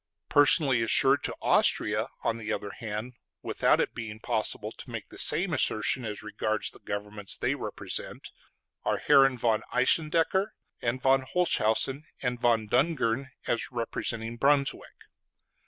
Personally assured to Austria, on the other hand, without it being possible to make the same assertion as regards the governments they represent, are Herren von Eisendecher and von Holzhausen, and von Dungern as representing Brunswick.